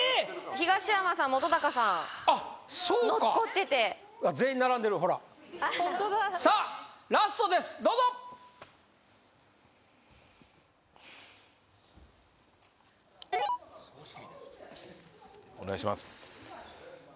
東山さん本さん残ってて全員並んでるほらさあラストですどうぞお願いします